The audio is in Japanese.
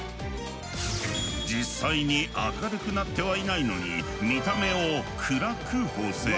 実際に明るくなってはいないのに見た目を暗く補正。